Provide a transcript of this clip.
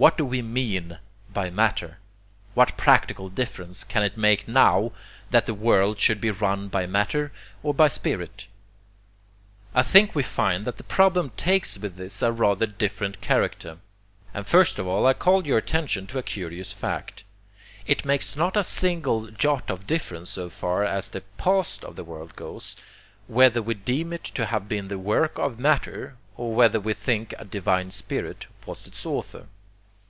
What do we MEAN by matter? What practical difference can it make NOW that the world should be run by matter or by spirit? I think we find that the problem takes with this a rather different character. And first of all I call your attention to a curious fact. It makes not a single jot of difference so far as the PAST of the world goes, whether we deem it to have been the work of matter or whether we think a divine spirit was its author.